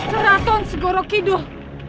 keraton segorok hidup